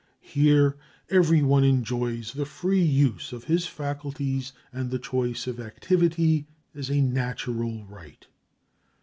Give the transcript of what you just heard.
Here everyone enjoys the free use of his faculties and the choice of activity as a natural right.